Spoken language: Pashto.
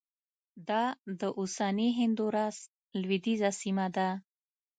دا د اوسني هندوراس لوېدیځه سیمه ده